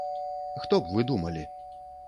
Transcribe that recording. Хто б вы думалі?